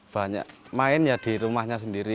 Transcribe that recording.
banyak main ya di rumahnya sendiri